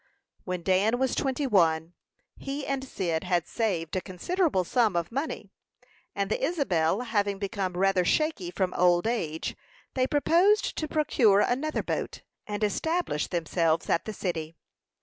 When Dan was twenty one, he and Cyd had saved a considerable sum of money; and the Isabel having become rather shaky from old age, they proposed to procure another boat, and establish themselves at the city.